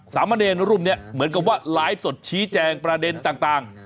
สามเณรรูปนี้เหมือนกับว่าไลฟ์สดชี้แจงประเด็นต่าง